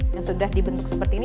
yang sudah dibentuk seperti ini